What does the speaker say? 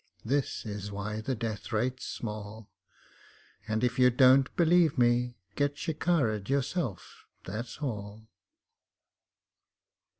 This is why the death rate's small; And, if you don't believe me, get shikarred yourself. That's all.